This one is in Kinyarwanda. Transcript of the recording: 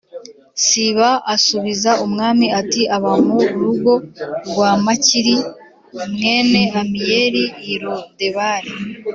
Siba asubiza umwami ati “Aba mu rugo rwa Makiri mwene Amiyeli i Lodebari.”